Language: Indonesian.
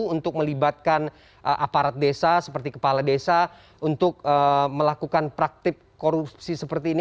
untuk melibatkan aparat desa seperti kepala desa untuk melakukan praktik korupsi seperti ini